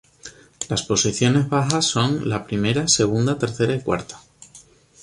Las posiciones bajas son la primera, segunda, tercera y cuarta.